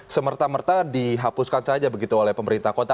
semerta merta dihapuskan saja begitu oleh pemerintah kota